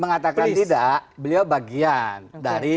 mengatakan tidak beliau bagian dari